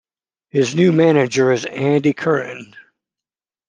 His new manager is Andy Curran.